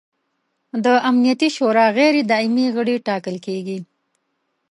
د امنیت شورا غیر دایمي غړي ټاکل کیږي.